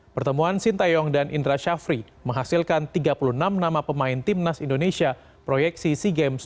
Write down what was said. pertemuan sinteyong dan indra syafri menghasilkan tiga puluh enam nama pemain tim nas indonesia proyeksi sea games dua ribu dua puluh satu